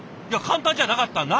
いや簡単じゃなかった。